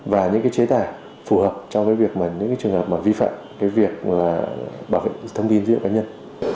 và những cái chế tài phù hợp trong những cái trường hợp mà vi phạm cái việc bảo vệ thông tin dữ liệu cá nhân